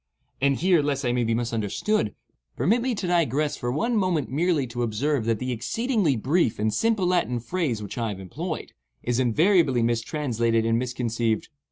And here, lest I may be misunderstood, permit me to digress for one moment merely to observe that the exceedingly brief and simple Latin phrase which I have employed, is invariably mistranslated and misconceived.